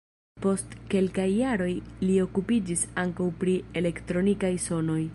Post kelkaj jaroj li okupiĝis ankaŭ pri elektronikaj sonoj.